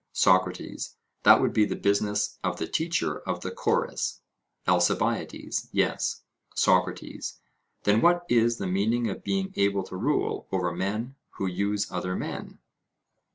SOCRATES: That would be the business of the teacher of the chorus? ALCIBIADES: Yes. SOCRATES: Then what is the meaning of being able to rule over men who use other men?